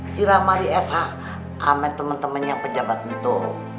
si ramadi sh sama temen temennya pejabat itu